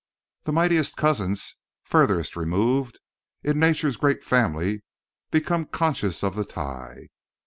The mightiest cousins, furthest removed, in nature's great family become conscious of the tie.